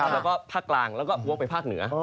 แล้วก็ฝั่งกลางแล้วก็พวกไปฝั่งเหนือ